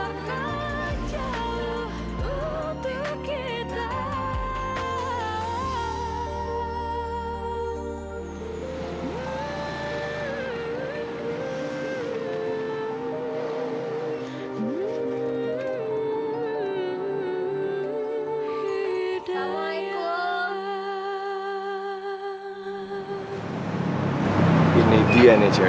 rindu pembuat acaba